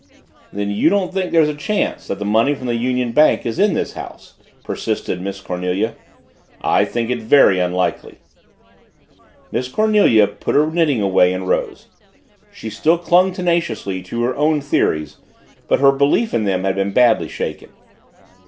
"Then you don't think there's a chance that the money from the Union Bank is in this house?" persisted Miss Cornelia. "I think it very unlikely." Miss Cornelia put her knitting away and rose. She still clung tenaciously to her own theories but her belief in them had been badly shaken.